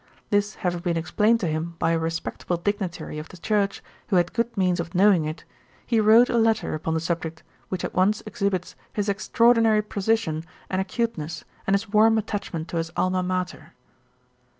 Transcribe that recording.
This having been explained to him by a respectable dignitary of the church, who had good means of knowing it, he wrote a letter upon the subject, which at once exhibits his extraordinary precision and acuteness, and his warm attachment to his ALMA MATER.